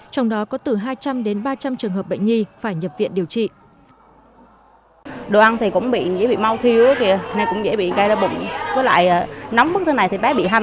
trong đó có từ hai trăm linh đến ba trăm linh trường hợp bệnh nhi phải nhập viện điều trị